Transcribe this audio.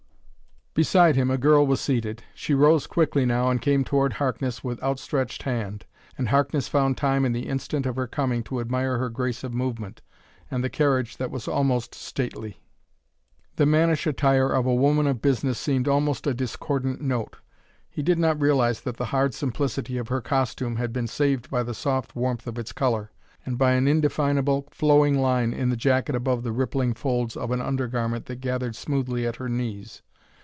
Beside him a girl was seated. She rose quickly now and came toward Harkness with outstretched hand. And Harkness found time in the instant of her coming to admire her grace of movement, and the carriage that was almost stately. The mannish attire of a woman of business seemed almost a discordant note; he did not realize that the hard simplicity of her costume had been saved by the soft warmth of its color, and by an indefinable, flowing line in the jacket above the rippling folds of an undergarment that gathered smoothly at her knees.